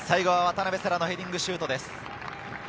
最後は渡邊星来のヘディングシュートです。